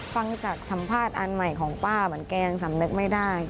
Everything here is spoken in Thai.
ฟังจากสัมภาษณ์อันใหม่ของป้าเหมือนแกยังสำนึกไม่ได้